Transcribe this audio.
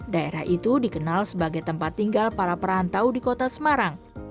daerah itu dikenal sebagai tempat tinggal para perantau di kota semarang